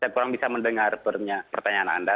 saya kurang bisa mendengar pertanyaan anda